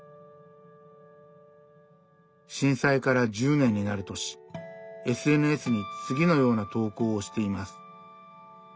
震災から１０年になる年ＳＮＳに次のような投稿をしています。